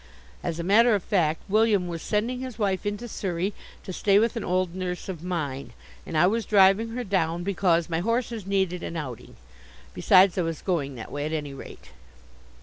As a matter of fact, William was sending his wife into Surrey to stay with an old nurse of mine, and I was driving her down because my horses needed an outing. Besides, I was going that way, at any rate.